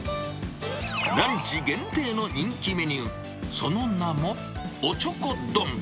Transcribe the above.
ランチ限定の人気メニュー、その名も、おちょこ丼。